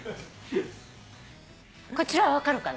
こちらは分かるかな。